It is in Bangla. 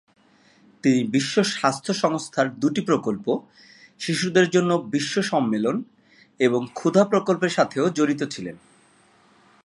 তিনি বিশ্ব স্বাস্থ্য সংস্থার দুটি প্রকল্প, শিশুদের জন্য বিশ্ব সম্মেলন ও ক্ষুধা প্রকল্পের সাথেও জড়িত ছিলেন।